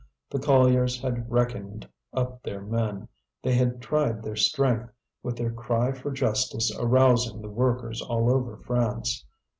The colliers had reckoned up their men; they had tried their strength, with their cry for justice arousing the workers all over France.